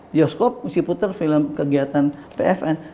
dioskop si puter film kegiatan ppn